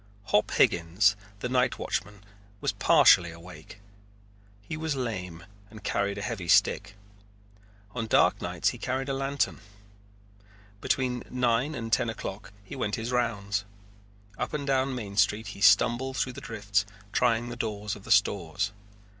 Hop Higgins, the night watchman, was partially awake. He was lame and carried a heavy stick. On dark nights he carried a lantern. Between nine and ten o'clock he went his rounds. Up and down Main Street he stumbled through the drifts trying the doors of the stores.